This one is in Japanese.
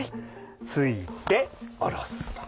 突いて下ろすと。